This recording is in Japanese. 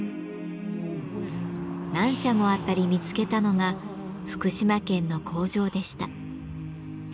何社も当たり見つけたのが福島県の工場でした。